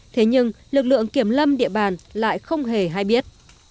thế nhưng lực lượng kiểm lâm địa bàn lại không hề hay biết